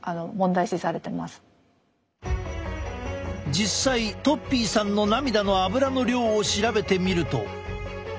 実際とっぴーさんの涙のアブラの量を調べてみると。